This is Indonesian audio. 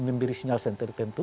memberi sinyal tertentu